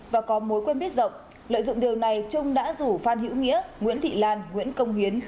và có mối quên biết rộng lợi dụng điều này trông đã rủ phan hiếu nghĩa nguyễn thị lan nguyễn công hiến